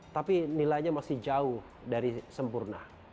tapi nilainya masih jauh dari sempurna